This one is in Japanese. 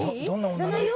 知らないよ？